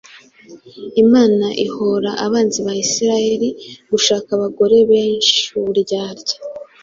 Imana ihora abanzi ba Isiraheli, gushaka abagore benshi, uburyarya